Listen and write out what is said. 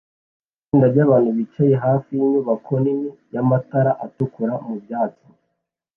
Itsinda ryabantu bicaye hafi yinyubako nini yamatafari atukura mubyatsi